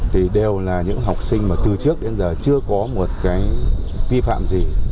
thì đều là những học sinh mà từ trước đến giờ chưa có một cái vi phạm gì